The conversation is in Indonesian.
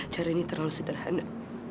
cara ini terlalu sederhana